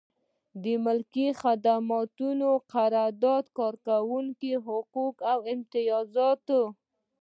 د ملکي خدمتونو قراردادي کارکوونکي حقوق او امتیازات.